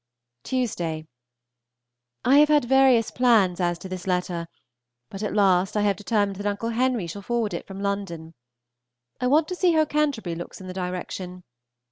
Tuesday. I have had various plans as to this letter, but at last I have determined that Uncle Henry shall forward it from London. I want to see how Canterbury looks in the direction.